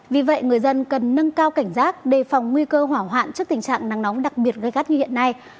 vì vậy người dân cần nâng cao cảnh giác đề phòng nguy cơ hỏa hoạn trước tình trạng nắng nóng đặc biệt gây gắt như hiện nay